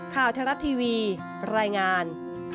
ข้าวเทศรัททีวีปรายงาน